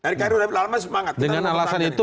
nkri udah semangat dengan alasan itu